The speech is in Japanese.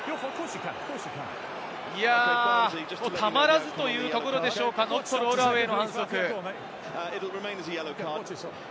たまらずというところでしょうか、ノットロールアウェイの反則。